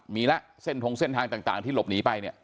มีแล้วเส้นทงเส้นทางต่างที่หลบหนีไปเนี่ย